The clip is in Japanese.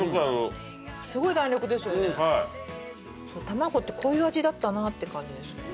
卵ってこういう味だったなって感じですね。